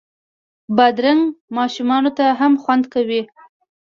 بادرنګ ماشومانو ته هم خوند کوي.